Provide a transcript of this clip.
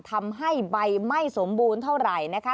ทำให้ใบไม่สมบูรณ์เท่าไหร่นะคะ